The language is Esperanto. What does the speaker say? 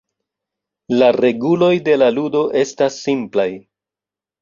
La reguloj de la ludo estas simplaj.